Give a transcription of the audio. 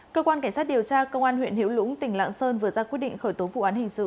cơ quan cảnh sát điều tra công an huyện hiểu lũng tỉnh lạng sơn vừa ra quyết định khởi tố vụ án hình sự